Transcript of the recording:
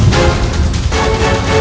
dan aku juga ally